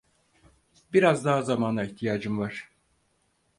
Biraz daha zamana ihtiyacım var.